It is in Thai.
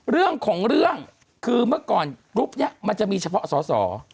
เรื่องของเรื่องคือเมื่อก่อนกรุ๊ปนี้มันจะมีเฉพาะสอสอ